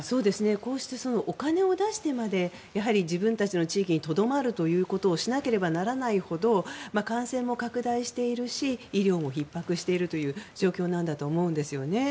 こうしてお金を出してまで自分たちの地域にとどまるということをしなければならないほど感染も拡大しているし医療もひっ迫しているという状況なんだと思うんですよね。